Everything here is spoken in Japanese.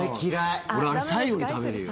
俺、あれ最後に食べるよ。